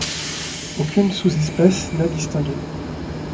Aucune sous-espèce n'est distinguée.